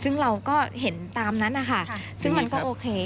ซึ่งเราก็เห็นตามนั้นนะคะซึ่งมันก็โอเค